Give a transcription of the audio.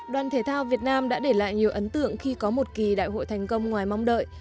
đoàn thể thao việt nam đã để lại nhiều ấn tượng khi có một kỳ đại hội thành công ngoài mong đợi